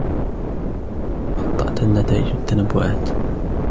خَطَّأتِ النتائجُ التنبؤاتِ.